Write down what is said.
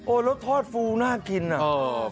โอ้ยแล้วทอดฟูน่ากินอ่ะ